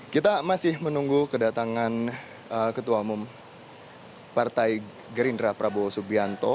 kita masih menunggu kedatangan ketua umum partai gerindra prabowo subianto